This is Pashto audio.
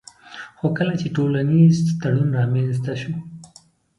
خو کله چي ټولنيز تړون رامنځته سو